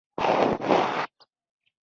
د وای قیمت باید په یوه برخه کې منفي را نشي